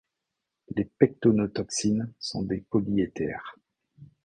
Les pecténotoxines sont des polyéthers.